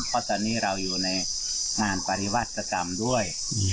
เพราะตอนนี้เราอยู่ในงานปฏิวัติกรรมด้วย